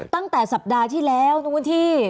ตั้งแต่สัปดาห์ที่แล้วนู้นที่